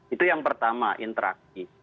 itu yang pertama interaksi